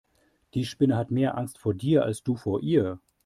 Die Spinne hat mehr Angst vor dir als du vor ihr.